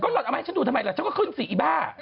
หล่นเอามาให้ฉันดูทำไมล่ะฉันก็ขึ้นสิอีบ้า